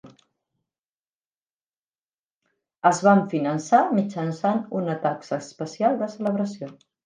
Es van finançar mitjançant una taxa especial de celebració.